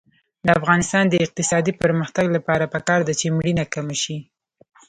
د افغانستان د اقتصادي پرمختګ لپاره پکار ده چې مړینه کمه شي.